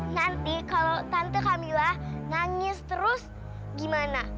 nanti kalau tante camillah nangis terus gimana